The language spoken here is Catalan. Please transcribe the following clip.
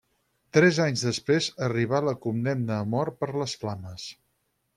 Tres anys després arribà la condemna a mort per les flames.